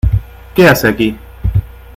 ¿ Qué hace aquí?